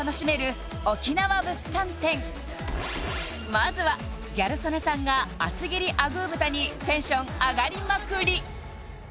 まずはギャル曽根さんが厚切りあぐー豚にテンション上がりまくり